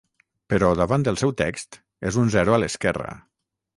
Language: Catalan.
Però, davant del seu text, és un zero a l'esquerra.